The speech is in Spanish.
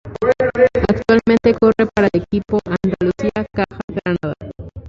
Actualmente corre para el equipo Andalucía Caja Granada.